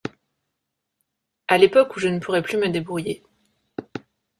À l’époque où je ne pourrai plus me débrouiller.